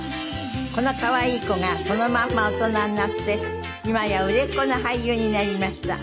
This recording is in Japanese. この可愛い子がこのまんま大人になって今や売れっ子の俳優になりました。